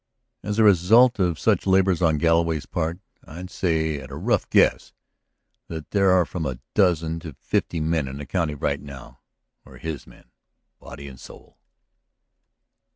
As a result of such labors on Galloway's part I'd say at a rough guess that there are from a dozen to fifty men in the county right now who are his men, body and soul.